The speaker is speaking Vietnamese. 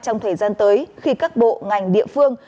trong thời gian tới khi các bộ ngành địa phương